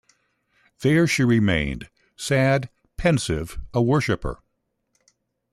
There she remained — sad, pensive, a worshipper.